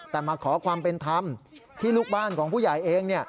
แต่มาขอความเป็นธรรมที่ลูกบ้านของผู้ใหญ่เอง